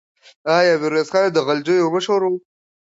آیا میرویس خان د غلجیو مشر و؟